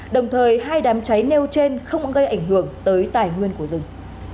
đồng thời hai đám cháy nêu trên không gây ảnh hưởng tới tài nguyên của rừng